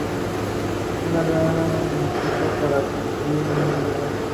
Entre los productos más cosechados están los granos básicos, frutas y verduras.